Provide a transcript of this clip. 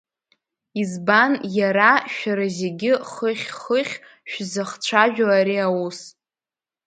Избан иара шәара зегьы хыхь-хыхь шәзахцәажәо ари аус?